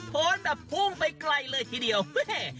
เพราะดับพุ่งไปไกลเลยทีเดียวเฮ่เฮ่